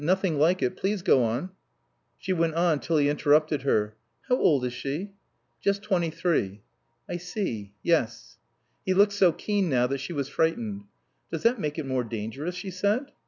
Nothing like it. Please go on." She went on till he interrupted her. "How old is she?" "Just twenty three." "I see. Yes." He looked so keen now that she was frightened. "Does that make it more dangerous?" she said.